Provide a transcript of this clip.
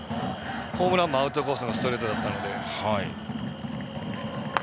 ホームランもアウトコースへのストレートだったので。